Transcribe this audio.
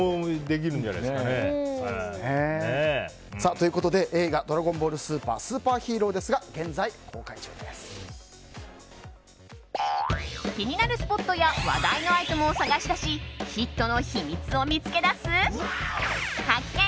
何でもということで映画「ドラゴンボール超スーパーヒーロー」ですが気になるスポットや話題のアイテムを探し出しヒットの秘密を見つけ出す発見！